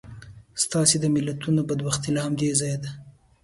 ستاسې د ملتونو بدبختي له همدې ځایه ده.